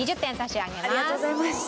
ありがとうございます。